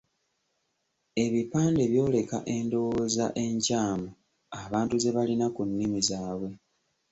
Ebipande byoleka endowooza enkyamu abantu ze balina ku nnimi zaabwe.